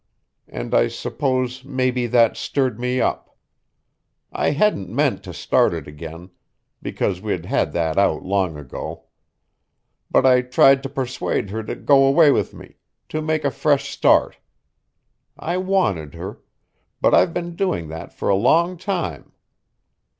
And I suppose maybe that stirred me up. I hadn't meant to start it again because we'd had that out long ago. But I tried to persuade her to go away with me to make a fresh start. I wanted her but I've been doing that for a long time.